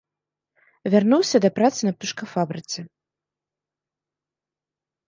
Вярнуўся да працы на птушкафабрыцы.